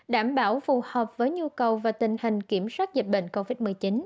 đảm bảo phù hợp với nhu cầu và tình hình kiểm soát dịch bệnh covid một mươi chín